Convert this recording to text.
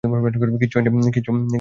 কিচ্ছু হয়নি তোমার।